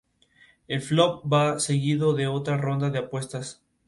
El "flop" va seguido de otra ronda de apuestas.